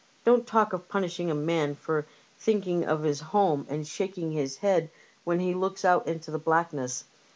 Don't talk of punishing a man for thinking of his home and shaking his head when he looks out into the blackness.